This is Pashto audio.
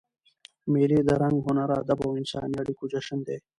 مېلې د رنګ، هنر، ادب او انساني اړیکو جشن دئ.